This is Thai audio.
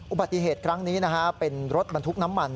อุบัติเหตุครั้งนี้นะฮะเป็นรถบรรทุกน้ำมัน